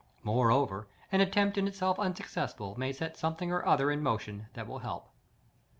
Moreover, an attempt in itself unsuccessful may set something or other in motion that will help.